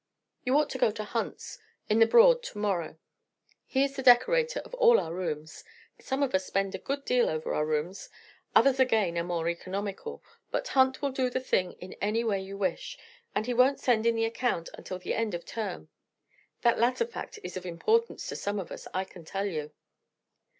"You ought to go to Hunt's, in the Broad, to morrow; he is the decorator of all our rooms. Some of us spend a good deal over our rooms; others again are more economical. But Hunt will do the thing in any way you wish, and he won't send in the account until the end of term. That latter fact is of importance to some of us, I can tell you."